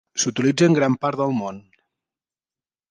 S'utilitza en gran part del món.